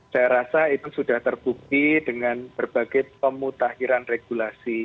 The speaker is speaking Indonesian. saya rasa itu sudah terbukti dengan berbagai pemutahiran regulasi